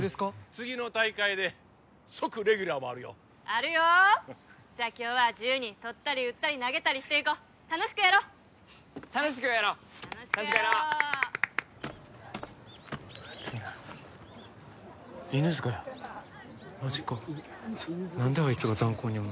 次の大会で即レギュラーもあるよあるよじゃ今日は自由に捕ったり打ったり投げたりしていこう楽しくやろう楽しくやろう楽しくやろうあっついな犬塚やマジか何であいつがザン高におんの？